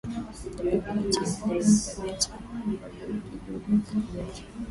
Udhibiti thabiti wa vijidudu vya magonjwa